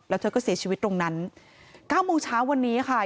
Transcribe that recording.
แล้วเธอก็เสียชีวิตตรงนั้น๙โมงเช้าวันนี้ค่ะ